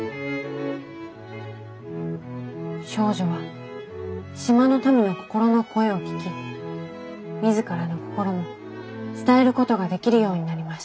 少女は島の民の心の声を聞き自らの心も伝えることができるようになりました。